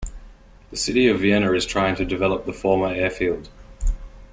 The City of Vienna is trying to develop the former airfield.